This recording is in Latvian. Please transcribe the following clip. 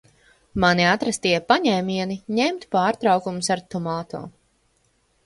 Mani atrastie paņēmieni - ņemt pārtraukumus ar Tomato.